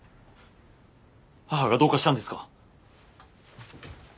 母がどうかしたんですか？